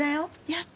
やった！